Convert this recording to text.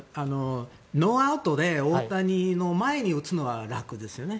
ノーアウトで大谷の前に打つのは楽ですよね。